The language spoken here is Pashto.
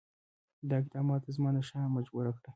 دغه اقداماتو زمانشاه مجبور کړ.